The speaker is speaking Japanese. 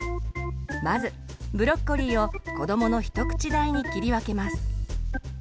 まずブロッコリーを子どもの一口大に切り分けます。